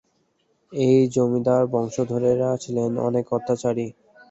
এই জমিদার বংশধররা ছিলেন অনেক অত্যাচারী।